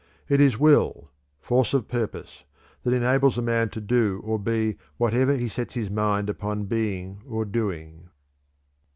It is will force of purpose that enables a man to do or be whatever he sets his mind upon being or doing."